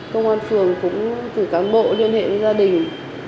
công an phường cũng cử cán bộ liên hệ với gia đình